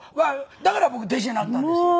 だから僕弟子になったんですよ。